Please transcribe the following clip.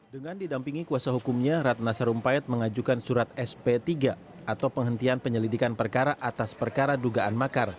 dengan didampingi kuasa hukumnya ratna sarumpait mengajukan surat sp tiga atau penghentian penyelidikan perkara atas perkara dugaan makar